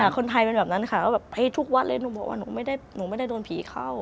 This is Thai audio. แต่คนไทยเป็นแบบนั้นค่ะก็แบบให้ทุกวัดเลยหนูบอกว่าหนูไม่ได้โดนผีเข้า